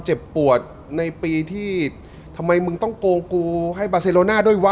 ไหนมันต้องโกคลย์จรซาโนะด้วยวะ